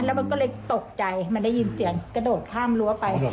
แล้วมันก็เลยตกใจมันได้ยินเสียงกระโดดข้ามรั้วไป